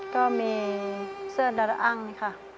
ก็มีเสื้อดาระอังนี่ค่ะ